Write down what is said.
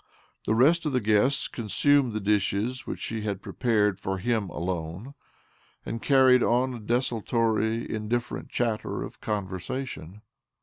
The rest of the guests consumed the dishes which she had prepared for him alone, and carried on a desultory, indifferent chatter of conversation.